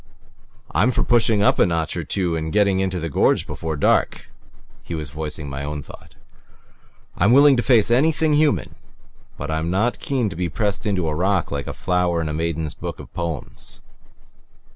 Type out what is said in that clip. "I'm for pushing up a notch or two and getting into the gorge before dark," he was voicing my own thought. "I'm willing to face anything human but I'm not keen to be pressed into a rock like a flower in a maiden's book of poems."